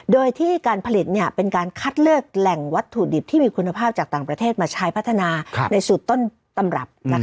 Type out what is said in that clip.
โดยที่การผลิตเป็นการคัดเลือกแหล่งวัตถุดิบที่มีคุณภาพจากต่างประเทศมาใช้พัฒนาในสูตรต้นตำรับ